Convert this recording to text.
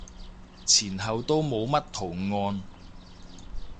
前後都冇乜圖案